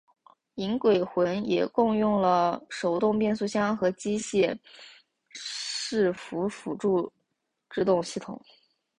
银鬼魂也共用了手动变速箱和机械伺服辅助制动系统。